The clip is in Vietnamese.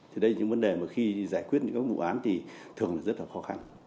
thì đây là những vấn đề mà khi giải quyết những vụ án thì thường rất là khó khăn